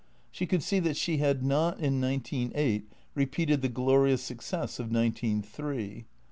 She could see that she had not, in nineteen eight, repeated the glorious success of nineteen three.